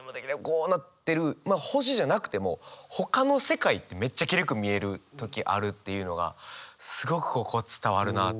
こうなってるまあ星じゃなくても他の世界ってめっちゃきれいく見える時あるっていうのがすごくここ伝わるなあ。